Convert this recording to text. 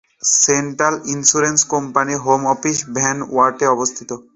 Central insurance কোম্পানির home office ভ্যান ওয়ার্টে অবস্থিত।